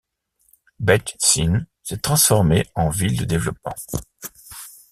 Beit Shean s'est transformée en ville de développement.